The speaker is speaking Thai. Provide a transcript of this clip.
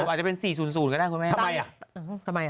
อาจจะเป็น๔๐๐ก็ได้คุณแม่ทำไมอ่ะทำไมอ่ะ